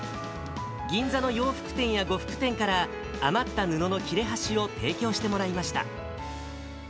銀座の洋服店や呉服店から、余った布の切れ端を提供してもらいました。